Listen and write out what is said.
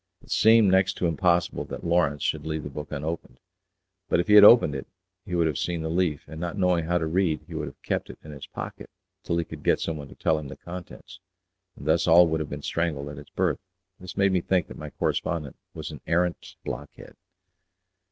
It seemed next to impossible that Lawrence should leave the book unopened, but if he had opened it he would have seen the leaf, and not knowing how to read he would have kept it in his pocket till he could get someone to tell him the contents, and thus all would have been strangled at its birth. This made me think that my correspondent was an arrant block head.